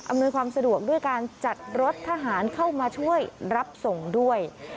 ความสะดวกด้วยการจัดรถทหารเข้ามาช่วยรับส่งด้วย